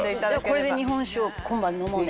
これで日本酒を今晩飲もうね。